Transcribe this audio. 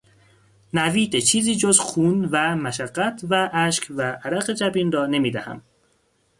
نوید چیزی جز خون و مشقت و اشک و عرق جبین را نمیدهم.